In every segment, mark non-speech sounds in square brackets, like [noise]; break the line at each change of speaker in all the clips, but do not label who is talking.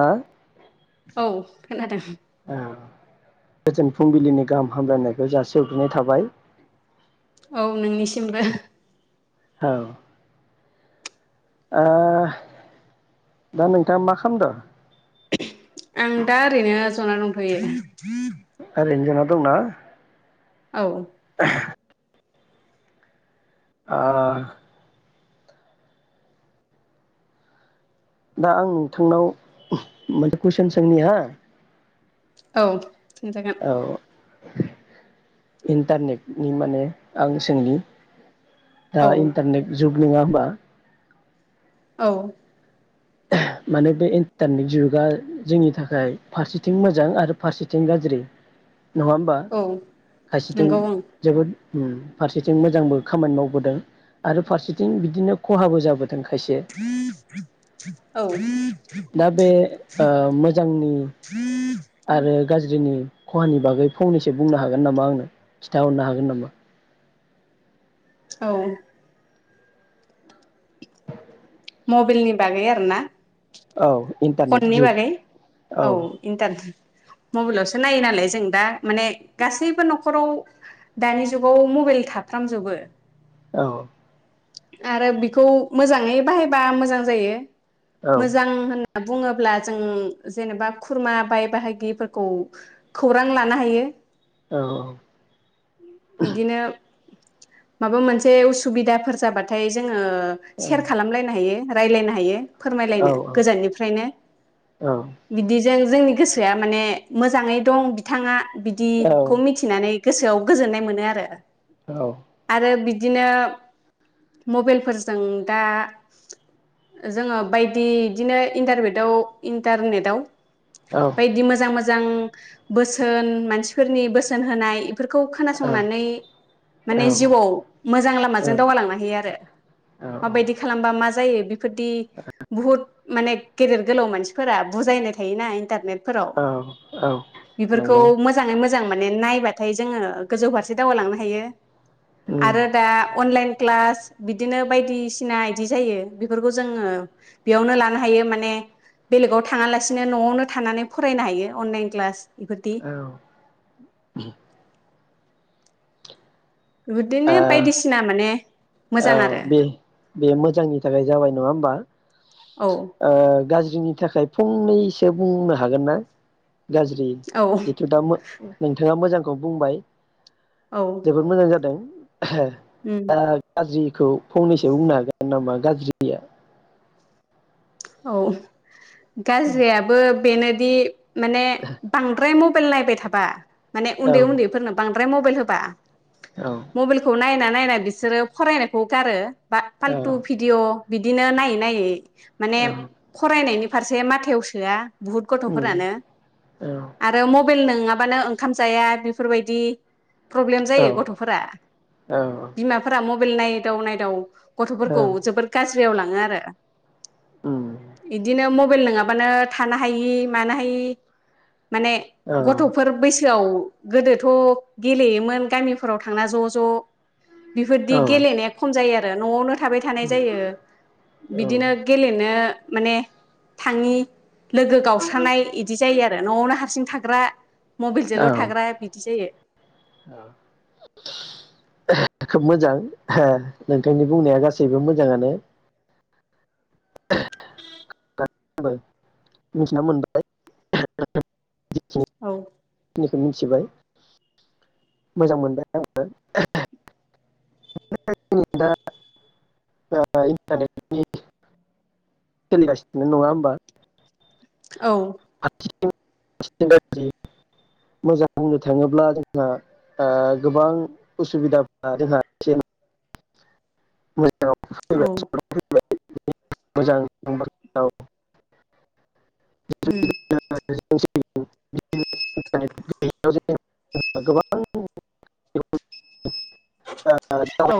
ना
औ खोनादों,
ओ गोजोन फुंबिलिनि गाहाम हामलायनायखौ जासि हरग्रोनाय थाबाय,
औ नोंनिसिमबो,
औ ओ दा नोंथाङा मा खामदो?
आं दा ओरैनो जना दंथयो,
ओरैनो जना दंना,
औ
आ दा आं नोंथांनाव मोनसे कुइसन सोंनि हा,
औ सोंजागोन,
औ इन्टारनेटनि माने आं सोंनि,
औ
दा इन्टारनेट जुग, नोङा होमबा
औ
माने बे इन्टारनेट जुगा जोंनि थाखाय फारसेथिं मोजां आरो फारसेथिं गाज्रि, नङा होमबा
औ
खायसेथिं
नंगौ ओं
जोबोद, उम फारसेथिं मोजांबो खामानि मावबोदों आरो फारसेथिं बिदिनो खहाबो जाबो दोंखायसे
औ
दा बे ओ मोजांनि, आरो गाज्रिनि खहानि बागै फंनैसो बुंनो हागोन नामा? आंनो खिन्थााहरनो हागोन नामा?
औ मबाइलनि बागै आरो ना,
औ इन्टारनेट जुग
फननिबागै औ इनटान मबाइलावसो नायो नालाय जों दा माने गासैबो न'खराव दानि जुगाव मबाइल थाफ्रामजोबो,
औ
आरो बेखौ मोजाङै बाहायबा मोजां जायो,
औ
मोजां होन बुङोब्ला जों जेनेबा खुरमा बाय बाहागिफोरखौ खौरां लानो हायो,
औ,
इदिनो माबा मोनसे उसुबिदाफोर जाबाथाय जोंङो ओ सेर खालामलायनो हायो रायलायनो हायो
औ
फोरमायलायनो गोजाननिफ्रायनो बिदि जों जोंनि गोसोआ माने मोजाङै दं बिथाङा बिदिखौ मिथिनानै गोसोआव गोजोननाय मोनो आरो। आरो बिद दिनो मबाइलफोरजों दा जोङो बायदि इदिनो इन्टारबेटआव इन्टारनेटआव बायदि मोजां मोज जां बोसोन मानसिफोरनि बोसोन होनाय इफोर खौ खोनासंनानै माने जिउआव मोजां लामाजों दावगालांनो हायोआरो
औ औ
माबायदि खालामबा मा जायो बिब फोदि बहुत माने गेदेर गोलाव मानसिफोरा बुजायनाय थायोना इन टारनेट फोराव
औ
बेफोरखौ
नंगौ
मोजाङै मो जां माने नायबाथाय जोङो गोजौ फारसे दावगालांनो हायो।
उम
आरो दा अनलाइन क्लास बिदिनो बायदिसिना इदि जायो बेफोरखौ जोङो बेयावनो लानो हायो। माने बेलेगाव थाङालासिनो नआवनो थानानै फरायनो हायो अनलाइन क्लास इफोरदि
औ
बोदिनो बायदिसिना माने
औ
मोजां आरो
बे बेमोजांनि थाखाय जाबाय नङा होमबा
औ
ओ गाजि जोंनि थाखाय फंनैसो बुंनो हागोन ना? गाज्रि
औ
जिथु दा मो नोंथाङा मोजां खौ बुंबाय।
औ
जोबोद मोजां जादों।
उम
आ जिखौ फंनैसो बुंनो हागोन नामा गाज्रिया
औ गाज्रियाबो बेनो बे माने बांद्राय मु फोल नायबाय थाबा। माने
औ
उन्दै उन्दैफोरनो बांद मबाइल होबा।
औ
मबाइलखौ नायनानै नायनानै बिसोरो फरायनायखौ गारो बा फालथु
औ
भिडिअ बिदिनो नायै नायै माने
औ
फरायनायनि फारसे माथायाव सोआ । बुहुत
उम
गथफोरानो
औ
आरो मब मबाइल नङाबानो ओंखाम जाया बेफोरबायदि। प्रब्लेम
औ
जायो गथफोरा
औ
बिमाफोरा मबेल नायदाव नायदाव गथफोरखौ जोबोर गाज्रि। जियाव लाङो आरो।
उम
इदिनो म मबाइल नङाबानो थानो हायि मानो हायि माने
औ
गथफोर बैसोआव गोदोथ गेलेयोमोन गामिफोराव थांना ज ज। बेफोरदि गेलेनाया खम जायो आरो न आवनो। थाबाय थानाय जायो बिदिनो गेलनो नो माने थाङि लोगो गावस्रानाय बिदि जायो आरो नआवनो हारसिं थां ग्रा मबाइलजोंल
औ
थाग्रा बिदि जायो।
[inaudible] खोब मोजां ओ नोंथांनि बुंनाया गासैबो मोजाङानो। बो मिथिना मोनबाय [unintelligible]
औ
जिखिनिखौ मिथिबाय मोजां मोनबाय आङो [unintelligible] दा इन्टारनेटनि सोलिगासिनो नङा होमबा
औ
[unintelligible] मोजां होननो थाङोब्ला जोंहा गोबां उसुबिदाफ्रा जोंहा एसे [unintelligible]
औ
फैबाय [unintelligible] मोजां [unintelligible]
ओम।
[unintelligible]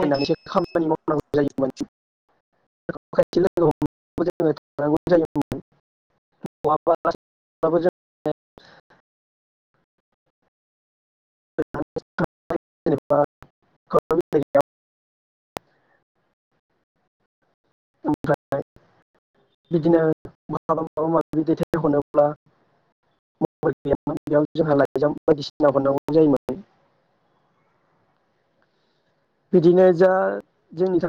औ
[unintelligible] [unintelligible] बिदिनो माबा माबि दैथाय हनोब्ला मबेल गैयामोन बेयाव जोंहा लाइजाम बायदिसिना हरनांगौ जायोमोन । बिदिनो जा जोंनि था